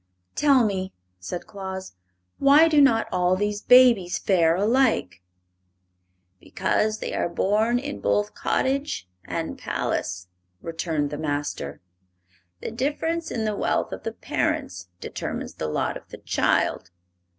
"Tell me," said Claus, "why do not all these babies fare alike?" "Because they are born in both cottage and palace," returned the Master. "The difference in the wealth of the parents determines the lot of the child.